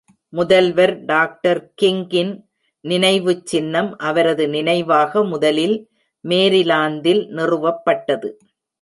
முதல்வர் டாக்டர் கிங்கின் நினைவுச் சின்னம் அவரது நினைவாக முதலில் மேரிலாந்தில் நிறுவப்பட்டது.